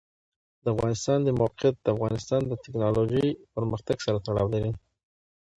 د افغانستان د موقعیت د افغانستان د تکنالوژۍ پرمختګ سره تړاو لري.